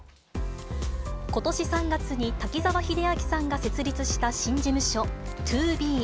ことし３月に滝沢秀明さんが設立した新事務所、ＴＯＢＥ。